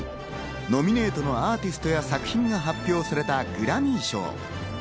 ノミネートのアーティストや作品が発表されたグラミー賞。